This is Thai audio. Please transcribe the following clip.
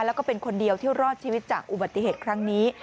แล้วก็เป็นคนเดียวที่รอดชีวิตจากอุบัติเหตุครั้งนี้